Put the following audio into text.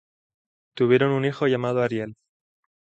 Tuvieron un hijo llamado Ariel.